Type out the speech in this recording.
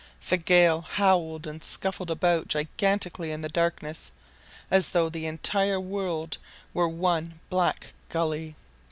The gale howled and scuffled about gigantically in the darkness, as though the entire world were one black gully.